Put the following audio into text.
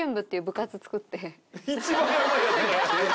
一番ヤバいやつや。